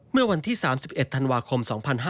เมื่อวันที่๓๑ธันวาคม๒๕๕๙